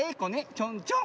チョンチョン。